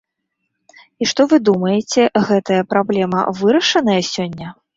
І што вы думаеце, гэтая праблема вырашаная сёння?